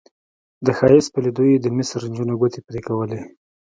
د ښایست په لیدو یې د مصر نجونو ګوتې پرې کولې.